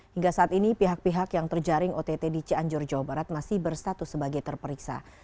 hingga saat ini pihak pihak yang terjaring ott di cianjur jawa barat masih berstatus sebagai terperiksa